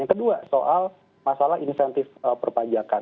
yang kedua soal masalah insentif perpajakan